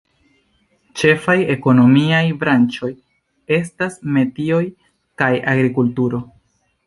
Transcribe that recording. Ĉefaj ekonomiaj branĉoj estas metioj kaj agrikulturo.